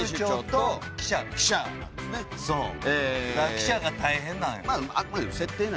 記者が大変なんよ。